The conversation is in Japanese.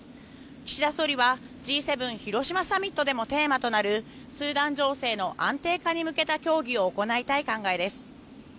岸田総理はＧ７広島サミットでもテーマとなるスーダン情勢の安定化に向けた協議を行いたい考えです。